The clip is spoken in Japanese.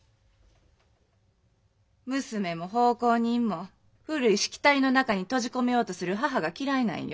娘も奉公人も古いしきたりの中に閉じ込めようとする母が嫌いなんよ。